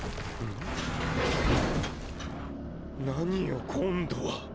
何よ今度は。